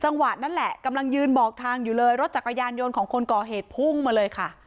จังหวะนั้นแหละกำลังยืนบอกทางอยู่เลยรถจักรยานยนต์ของคนก่อเหตุพุ่งมาเลยค่ะ